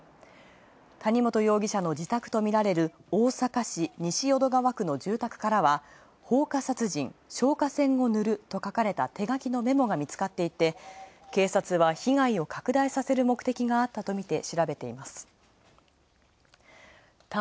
谷本容疑者の自宅とみられる大阪市西淀川区の住宅からは放火殺人、消火栓をぬるという書かれたメモが見つかり警察は被害を被害を拡大させる目的があったとして調べています。